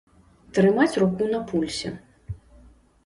Трымаць руку на пульсе.